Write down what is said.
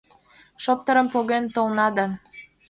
Шоптырым поген толна да